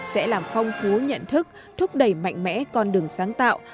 sẽ làm phong phú nhận thức thúc đẩy mạnh mẽ con đường sáng tạo